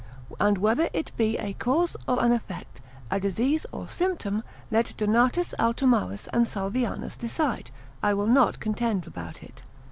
And whether it be a cause or an effect, a disease or symptom, let Donatus Altomarus and Salvianus decide; I will not contend about it.